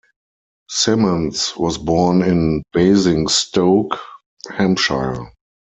Symons was born in Basingstoke, Hampshire.